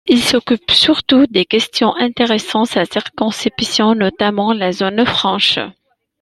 Il s'occupe surtout des questions intéressant sa circonscription, notamment la zone franche.